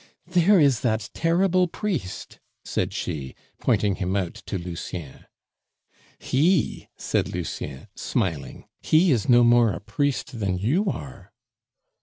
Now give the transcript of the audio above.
"There is that terrible priest," said she, pointing him out to Lucien. "He!" said Lucien, smiling, "he is no more a priest than you are."